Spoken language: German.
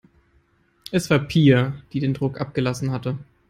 Es war Pia, die den Druck abgelassen hatte.